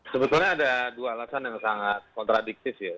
sebetulnya ada dua alasan yang sangat kontradiktif ya